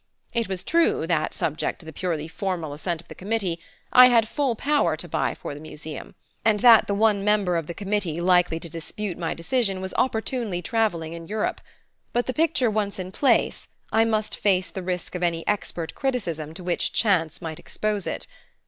It was true that, subject to the purely formal assent of the committee, I had full power to buy for the Museum, and that the one member of the committee likely to dispute my decision was opportunely travelling in Europe; but the picture once in place I must face the risk of any expert criticism to which chance might expose it.